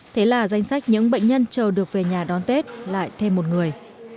thế là danh sách những bệnh nhân chờ được về nhà đón tết lại thêm một người